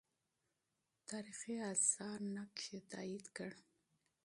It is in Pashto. تاریخي آثار نقش یې تایید کړ.